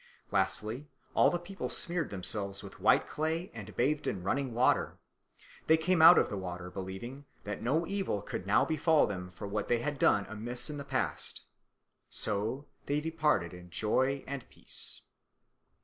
Lastly, all the people smeared themselves with white clay and bathed in running water. They came out of the water believing that no evil could now befall them for what they had done amiss in the past. So they departed in joy and peace.